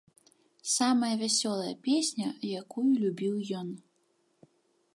Самая вясёлая песня, якую любіў ён.